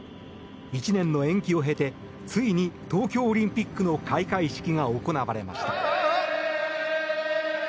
１年の延期を経てついに東京オリンピックの開会式が行われました。